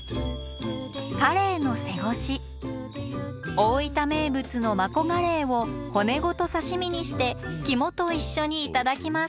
大分名物のマコガレイを骨ごと刺身にして肝と一緒に頂きます。